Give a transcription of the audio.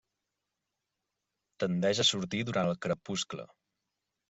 Tendeix a sortir durant el crepuscle.